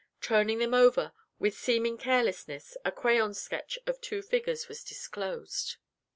Turning them over, with seeming carelessness, a crayon sketch of two figures was disclosed.